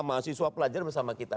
mahasiswa pelajar bersama kita